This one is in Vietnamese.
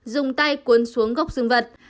dùng tay cuốn xuống gốc dương vật